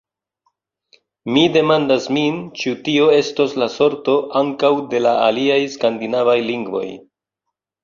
Mi demandas min, ĉu tio estos la sorto ankaŭ de la aliaj skandinavaj lingvoj.